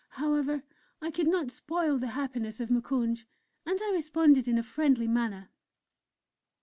However, I could not spoil the happiness of Moukounj, and I responded in a friendly manner.